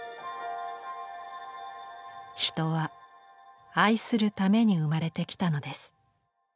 「人は愛するために生まれてきたのです。